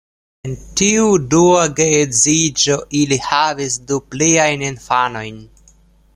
En tiu dua geedziĝo, ili havis du pliajn infanojn.